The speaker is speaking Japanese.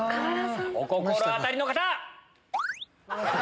お心当たりの方！